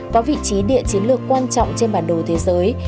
có vị trí địa chiến lược quan trọng trên bản đồ thế giới